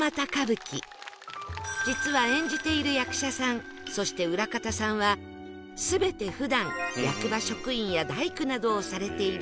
実は演じている役者さんそして裏方さんは全て普段役場職員や大工などをされている村の方々